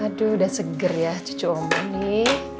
aduh udah seger ya cucu oma nih